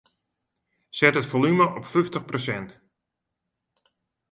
Set it folume op fyftich persint.